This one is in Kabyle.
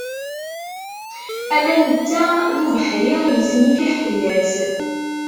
Ala netta d ubeḥri yesnifiḥ fell-as.